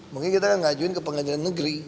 mungkin kita kan ngajuin ke pengajaran negeri